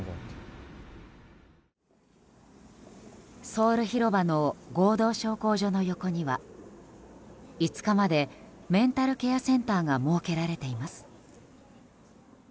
ソウル広場の合同焼香所の横には５日までメンタルケアセンターが設けられています。